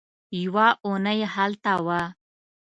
يوه اوونۍ هلته وه.